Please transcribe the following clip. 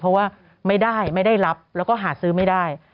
เพราะว่าไม่ได้ไม่ได้รับแล้วก็หาซื้อไม่ได้